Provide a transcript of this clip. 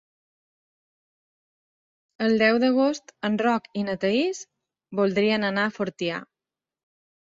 El deu d'agost en Roc i na Thaís voldrien anar a Fortià.